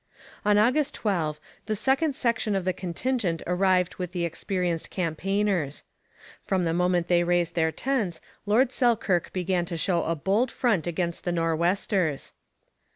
On August 12 the second section of the contingent arrived with the experienced campaigners. From the moment they raised their tents Lord Selkirk began to show a bold front against the Nor'westers.